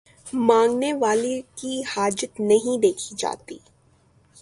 مانگنے والے کی حاجت نہیں دیکھی جاتی